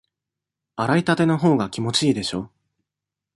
洗いたてのほうが気持ちいいでしょ？